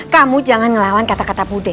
kamu jangan ngelawan kata kata bude